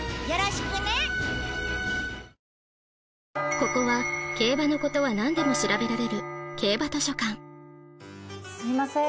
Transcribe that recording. ここは競馬のことはなんでも調べられる競馬図書館すいません